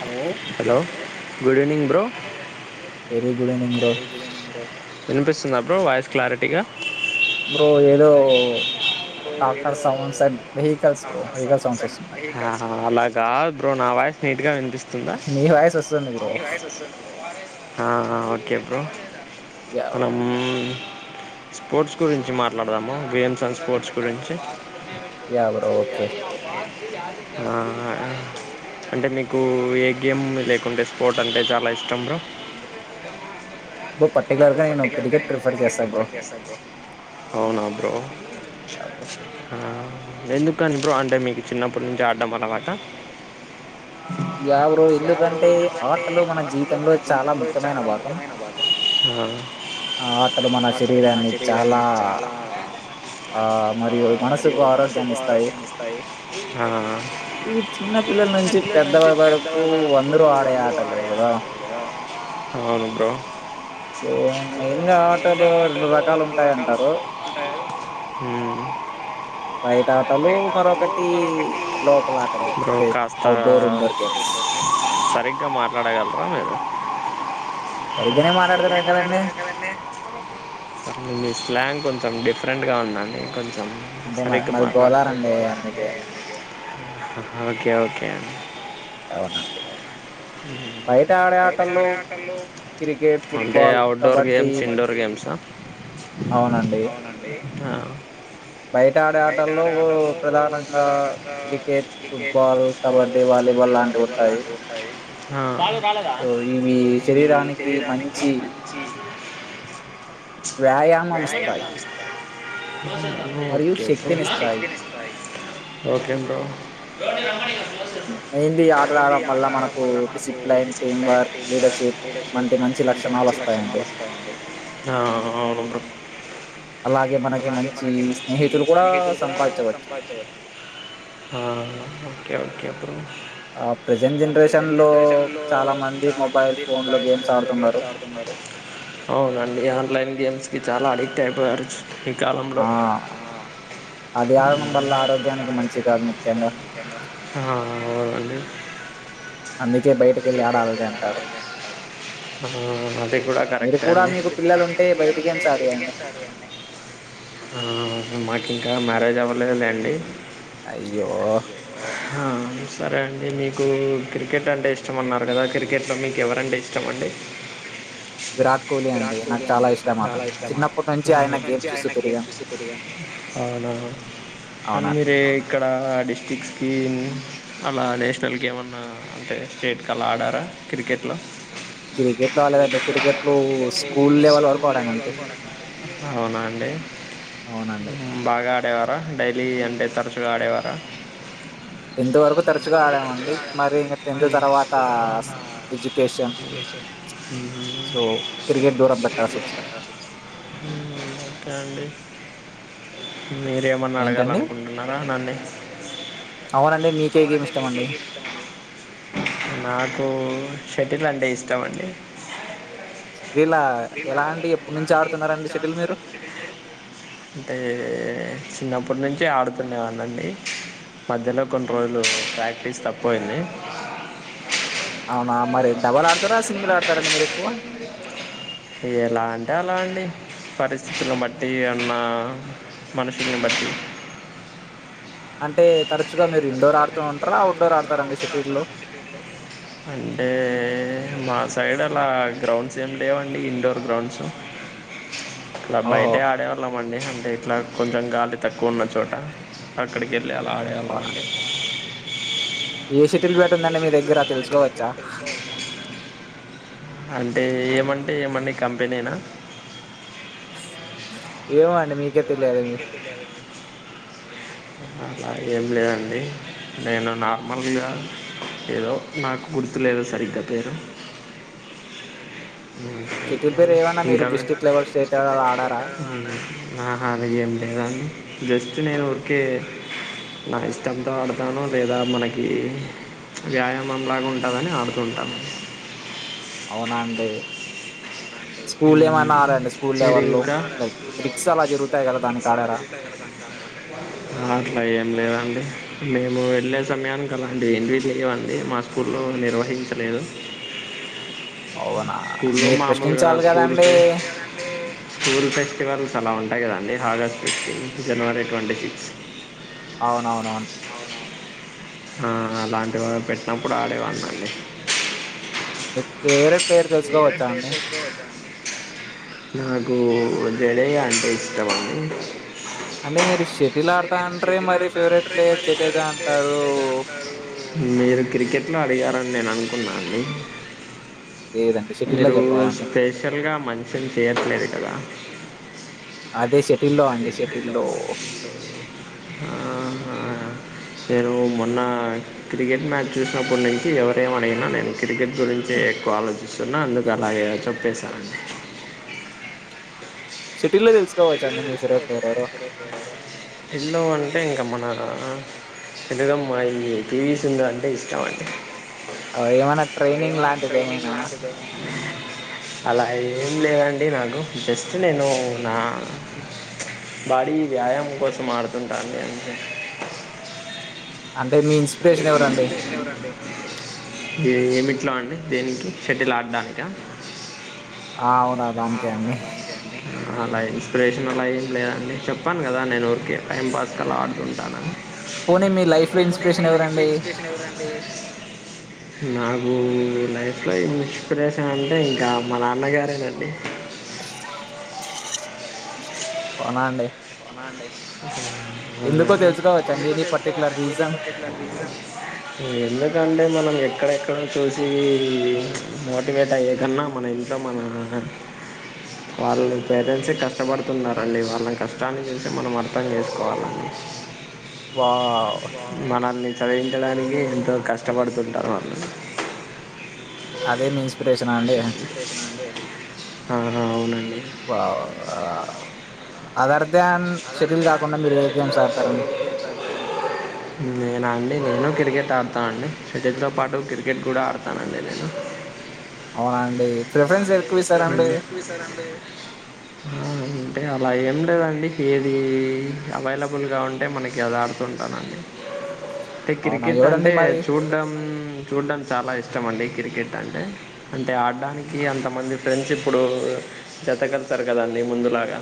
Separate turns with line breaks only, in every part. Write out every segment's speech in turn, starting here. Hello
good evening bro
very good evening bro
వినిపిస్తుందా bro voice క్లారిటీగా
ఇప్పురు ఏదో డాక్టర్ సవన్ సేన్
ఆహా అలాగ ద్రోనావాయి నీట్గా అం పిస్తుందా ఆ ఓకే బ్రో మనం స్పోర్ట్స్ గురించి మాట్లాడదాము గేమ్స్ అండ్ స్పోర్ట్స్ గురించి
యా బ్రో ఓకే
ఆ అంటే మీకు ఏ గేమ్ లేకుంటే స్పోర్ట్ అంటే చాలా ఇష్టం బ్రో
బొప్పట్
అవునా బ్రో బెందు కాని బ్రో అంటే మీకు చిన్నప్పుడు నుంచి అడ్డం అలవాట ఆ ఎవరు ఎందుకంటే ఆటలు మన జీవితంలో చాలా ముఖ్యమైన భాగం ఆ ఆ ఆటలు మన శరీరాన్ని చాలా ఆ మరియు మనసుకు ఆరోగ్యాన్ని ఇస్తాయి ఆ పెద్దల వరకు అందరు ఆడే ఆటలు గదార అవును బ్రో
మెయిన్ గా ఆటలు రెండు రకాలు ఉంటాయి అంటారు బైట ఆటలు మరొకటి లోపల ఆటలు అదే అవు
సరిగ్గా మాట్లాడగలరా మీరు
సరిగ్గానే మాట్లాడుతున్న గదండి
మీ స్లాంగ్ కొంచెం డిఫ్ డిఫరెంట్ గా ఉండాలి కొంచం
అంటే మ మాది గోదావరి అండి అందుకే
ఓకే ఓకే
అవునండి బయట ఆడే ఆటల్లో cricket football
door games indoor games ఆ అవునండి నావు బయట ఆడే ఆటల్లో ప్రధానంగా క్రికెట్ ఫుట్బాల్ కబడ్డీ వాలీబాల్ లాంటివి ఉంటాయి ఆ సో ఇవి శరీరానికి మం
వ్యాయామం ఇస్తాయి
ఓకే ఓకే బ్రో [unintelligible]
మెయిన్లీ ఆటలాడడం వల్ల మనకు డిసిప్లైన్ టీం వర్క్ లీడర్షిప్ వంటి మంచి లక్షణాలు వస్తాయి.
అవు [unintelligible] ఓకే అప్పుడు
ఆ ప్రజెంట్ జనరేషన్ లో చాలా మంది మొబైల్ ఫోన్ లో గేమ్స్ ఆడుతున్నారు
అవునండి ఆన్లైన్ గేమ్స్ కి చాలా అడిక్ట్ అయిపోయారు ఈ కాలంలో ఆ అవునండి [unintelligible] ఆహా అది కూడా కరెక్ట్ అండి ఆ మాకి ఇంకా మ్యారేజ్ అవ్వలేదు లేదండి
అయ్యో
సరే అండి మీకు క్రికెట్ అంటే ఇష్టం అన్నారు కదా క్రికెట్లో మీకు ఎవరంటే ఇష్టం అండి విరాట్ కోహ్లీ అండి నాకు చాలా ఇష్టం చిన్నప్పటి నుంచి ఆయన గేమ్స్ చూస్తూ పెరిగాను గమ్ చూ పవ అలా నేషనల్ కి ఏమన్నా అంటే స్టేట్కి అలా ఆడారా క్రికెట్లో
క్రికెట్ ఆ లేదండి క్రికెట్లు స్కూల్ లెవెల్ వరకు ఆడాను అంతే అవునండి
ఆడేవారా డైలీ అంటే తరచుగా ఆడేవారా
టెన్త్ వరకు తరచుగా ఆడామండి మరి ఇంక టెన్త్ తర్వాత ఏజ్యుకేషన్
ఉహు ఉ ఓకే అండి మీరేమన్నా అడగాలనుకుంటున్నారా నన్ను నాకు షర్టిల్ అంటే ఇష్టమ అండి [unintelligible] అంటే చిన్నప్పటి నుంచే ఆడుతునే వాన్ని అండి మధ్యలో కొన్ని రోజులు ప్రాక్టీస్ తప్పోయింది
అవునా మరి డబల్ ఆడతారా సింగిల్ ఆడత
ఏలా అంటే అలా అండి పరిస్థితులను బట్టి అన్న మనుషుని బట్టి అంటే మాస్ సైడ్ అలా గ్రౌండ్స్ ఏం లేవండి ఇండోర్ గ్రౌండ్స్ ఇలా బయట ఆడేవాళ్ళం అండి అంతే ఇలా కొంచెం గాలి తక్కువ ఉన్న చోట అక్కడికెల్లి అలాగ ఎళ్ళమండి
ఏ షటిల్ బ్యాట్ ఉందండి మీ దగ్గర తెలుసుకోవచ్చా
అంటే ఏమంటే ఏమండి కంపెనీనా
ఏమొ అండి మీ
ఏమో అండి మీకె తెలియాలండి అలా ఏం లేదండి నేను నార్మల్గా ఏదో నాకు గుర్తు లేదు సరిగ్గా పేరు అహ ఏం లేదండి జస్ట్ నేను ఊరికే నా ఇష్టంతో ఆడతాను లేదా మనకి వ్యాయామంలాగా ఉంటదని ఆడుతుంటాను
ఔనా అండి స్కూల్ ఏమన్న ఆడండి స్కూల్ లెవెల్లో లైక్ గ్రిగ్స్ అలా జరుగుతాయి కదా దానికి ఆడరా
మేము వెళ్ళే సమయానికి అలాంటివి ఏంటివి తెలియవండి మా స్కూల్లో నిర్వహించలేదు స్కూల్లో మామూలుగా స్కూల్ ఫెస్ స్కూల్ ఫెస్టివల్స్ అలా ఉం అంతే కదండి August fifteenth January twenty six
అవునవునవును ఆ
ఆ అలాంటివి పెట్టినప్పుడు ఆడేవాడినండి
ఎక్స్ [unintelligible] ప్రేరణ్
పేరు ఫేసుక్కరద [unintelligible] నాకూ జడేజా అంటే ఇష్టం అండి మీరు క్రికెట్ ఇట్లా అడిగారని నేను అనుకున్నా అండి మీరు స్పెషల్ గా మంచివి చేయట్లేదు కదా
అదే చెప్
ఆహా నేను మొన్న క్రికెట్ మ్యాచ్ చూసినప్పటి నుంచి ఎవర ఏమడిగినా నేను క్రికెట్ గురించి ఎక్కువ ఆలోచిస్తున్నా అందుకు అలాగే చెప్ ప్రసారండి [unintelligible]
శట్ [unintelligible]
ఎల్లోవన్ అంటే మన తెలుగు అమ్మాయి పీ వి సింధు అంటే ఇష్టం అండి
అ ఏమైనా ట్రైనింగ్ లాంటిది ఏమైనా
అలా ఏం లేదండి నాకు జస్ట్ నేను నా బాడి వ్యాయామం కోసం ఆడుతుంటాను అంతే
మీ ఇన్స్పిరేషన్ ఎవరండి
ఏమిట్లో అండి దేనికి షటిల్ ఆడడానిక
ఆ అవును దానికే అండి
అలా ఇన్స్పిరేషన్ అలా ఏం లేదండి చెప్పాను కదా నేను ఊరికే టైం పాస్ కలా అంటుంటానని పోనీ మీ లైఫ్ లో ఇన్స్పిరేషన్ ఎవరండి? మ్మ్ లైఫ్లో ఇన్స్పిరేషన్ అంటే ఇంకా మా నాన్నగారేనండి.
అవునా అండి?
హ్మ్ మ్మ్ ఎందుకంటే మనం ఎక్కడెక్కడ్ క్కడో చూసి మోటివేట్ అయే కన్నా, మన ఇంట్లో మన వాళ్ళు పేరెంట్సే కష్టపడుతున్నరండి వాళ్ళన్ కష్టాన్ని చూసి మనం అర్థం చేసుకోవాల
వావ్
చదివించడానికి ఎంతో కష్టపడుతుంటారు వాళ్ళు
అదే మీ ఇన్స్
ఆ ఆ అవునండి
అదర్
నేనా అండి నేను క్రికెట్ ఆడతా అండి షెటిల్ తో పాటు క్రికెట్ కూడా ఆడతానండి నేను
అవునా అండి ప్రిఫేరెన్స్ దేన్
హ్మ్ అంటే అదేం లేదండి ఏది అవైలబుల్గా ఉంటే మనకి అది ఆడుతుంటానండి. అంటే క్రికెట్ అంటే చూడ్డం చూడ్డం చాలా ఇష్టం అండి క్రి క్రికెట్ అంటే దానికి అంత మంది ఫ్రెండ్స్ ఇప్పుడు జత కడతారు కదాండి ముందులాగా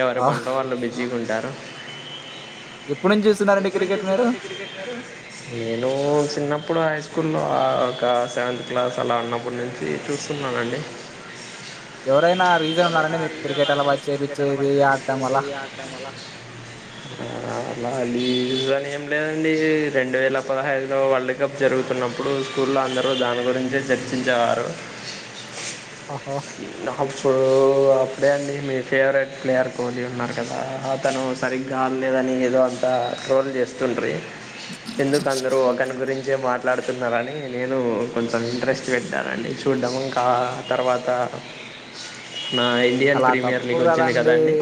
ఎవరి పన్లో వాళ్ళు బిజీ గుంటారు నేను చిన్నప్పుడు ఐద్ స్కూల్లో ఒక సెవెంత్ క్లాస్ అలా ఉన్నప్పటి నుంచి చూస్తున్నానండి.
ఎవరైనా
ఆ అలా లే రీసెన్ ఏం లేదండి రెండు వేల పదహైదులో వరల్డ్ కప్ జరుగుతున్నప్పుడు, స్కూల్లో అందరూ దాని గురించే చర్చించేవారు. నాకు ఒ అప్పుడే అండి మీ ఫేవరెట్ ప్లేయర్ కోహ్లీ ఉన్నారు కదా, అతను సరిగ్గా ఆడలేదని ఏదో అంతా ట్రోల్ చేస్తుంట్రీ. ఎందుకందరూ ఒకని గురించే మా మాట్లాడుతున్నారని నేను కొంచెం ఇంట్రెస్ట్ పెట్టానండి చూడ్డం ఇంకా ఆ తర్వాత నా ఇండియన్ ప్రీమియర్ మీకు వచ్చింది కదండి!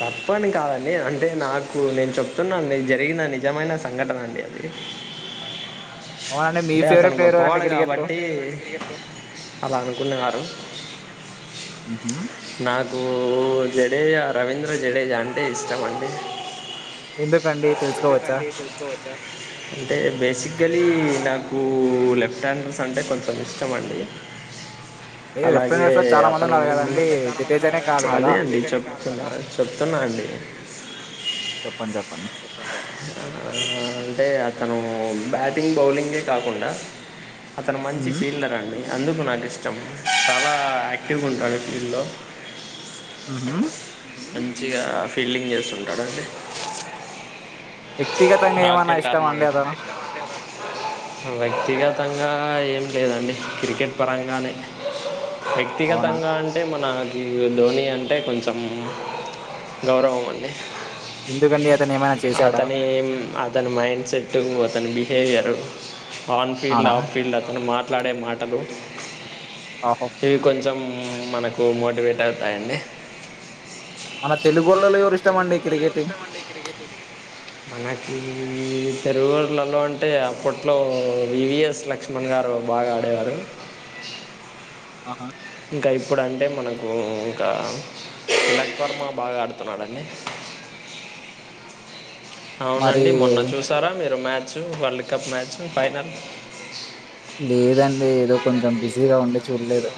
తప్పని కాదండి అంటే నాకు నేను చెప్తున్నాను, నేను జరిగిన నిజమైన సంఘటన అండి అది. అంటే అతను గొప్పవాడు కాబట్టి ఆలా అనుకున్నారు
మ్
ఓ జడేజా రవీంద్ర జడేజా అంటే ఇష్టం అండి
ఎందుకండి తెలుసుకోవచ్చా
అంటే బేసికలి నాకు లెఫ్ట్ హ్యాండర్స్ అంటే కొంచెం ఇష్టం అండి అలాగే అతను అదే అండి చెప్తున్నా చెప్తున్నా అండి అ అంటే అతను బ్యాటింగ్ బౌలింగే కాకుండా అతను మంచి ఫీల్డర్ అండి అందుకు నాకు ఇష్టం చాలా ఆక్టివ్ గా ఉంటాడు ఫీల్డ్ లో
మ్ హు
మంచిగా ఫీల్డింగ్ చేసుకుంటారండి
వ్యక్తిగతంగా ఏమన్నా ఇష్టమాండి అతను
వ్యక్తిగతంగా ఏం లేదండి క్రికెట్ పరంగానే వ్యక్తిగతంగా అంటే మన ఇ ధోని అంటే కొంచెం గౌరవం అండి
ఎందుకు అండి అతను ఏమైనా చే
అతని అతని మైండ్ సెట్ అతని బి చేయరు ఆన్ ఫీల్డ్ ఆఫ్ ఫీల్డ్ అతను మార్ మాట్లాడే మాటలు ఇవి కొంచెం మనకు మోటివేట్ అవుతాయండి
మన తెలుగు వోళ్ళలో ఎవరు ఇష్టం అండి క్రికెటింగ్
మనకి తెలుగువోలు లో అంటే అప్పట్లో వివిఎస్ లక్ష్మణ్ గారు బాగా ఆడేవారు
ఆహా
ఇంకా ఇప్పుడు అంటే మనకు ఇంకా తిలక్ వర్మ బాగా ఆడుతున్నాడుండి అవునండి మొన్న చూసారా మీరు match match world cup match final
లేదండి ఏదో కొంచెం బిజీగా ఉండే చూడలేదు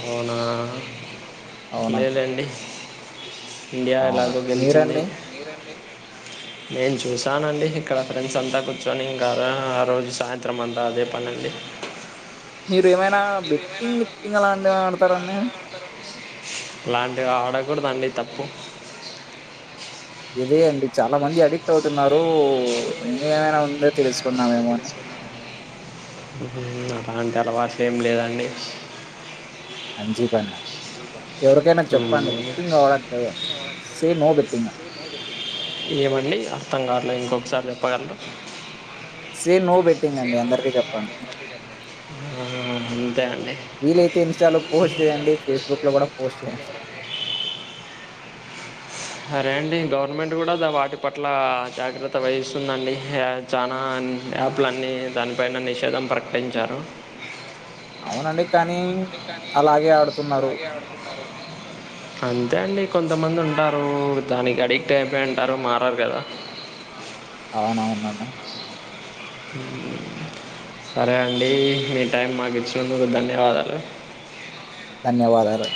అవునా లేదండి ఇండియా ఎలాగో గెలిచింది నేను చూసానండి ఇక్కడ ఫ్రెండ్స్ అంతా కూర్చొని ఇంకా ఆ రోజు సాయంత్రం అంతా అదే పని అండి
మీ ప్రియమైన బెట్టింగ్ గిటింగ్ అలాంటివి ఆడతారండి
ఇలాంటివి ఆడకూడదుండి తప్పు
ఇదే అండి చాలా మంది అడిక్ట్ అవుతున్నారు న ఏమైనా ఉందో తెలుసుకో కున్నావేమే అని
అలాంటి అలవాటు ఏమి లేదండి
అది చీపన
ఏమండి అర్థం కాట్లే ఇంకో ఒకసారి చెప్పగలరు
సే నో
అంతే అండి సరే అండి గౌ గవర్నమెంట్ కూడా వాటి పట్ల జాగ్రత్త వహిస్తుందండి చానా యాప్ పులన్నీ దానిపైన నిషేధం ప్రకటించారు
అవునండి కానీ ని అలాగే ఆడుతున్నారు
అంతే అండి కొంతమంది ఉంటారు దానికి అడిక్ట్ అయిపోయి ఉంటారు మారరు కదా
అవునవునన్న
సరే అండి మీ టైం మాకు ఇచ్చినందుకు ధన్యవాదాలు
ధన్యవాదాలు